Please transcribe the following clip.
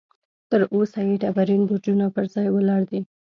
تر اوسه یې ډبرین برجونه پر ځای ولاړ دي.